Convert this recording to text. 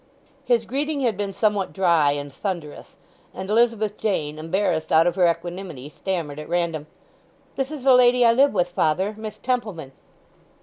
His greeting had been somewhat dry and thunderous, and Elizabeth Jane, embarrassed out of her equanimity, stammered at random, "This is the lady I live with, father—Miss Templeman."